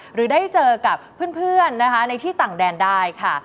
หรือได้เจอกับเพื่อนนะคะในที่ต่างแดนได้ค่ะ